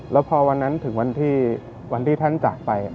แล้วพอวันนั้นถึงวันที่ท่านจากไป